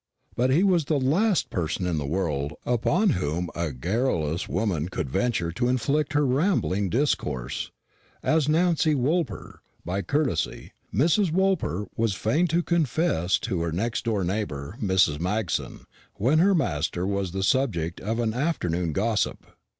But he was the last person in the world upon whom a garrulous woman could venture to inflict her rambling discourse; as Nancy Woolper by courtesy, Mrs. Woolper was fain to confess to her next door neighbour, Mrs. Magson, when her master was the subject of an afternoon gossip.